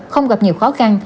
không gặp nhiều khó khăn